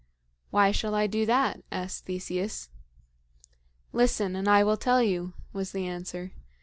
"Why shall I do that?" asked Theseus. "Listen, and I will tell you," was the answer.